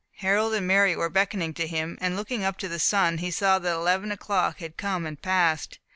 Harold and Mary were beckoning to him; and looking up to the sun, he saw that eleven o'clock had come and passed.